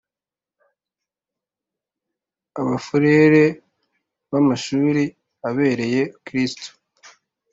Abafurere b Amashuri abereye Kristu